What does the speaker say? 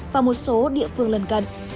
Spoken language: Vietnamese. và một số địa phương lần gần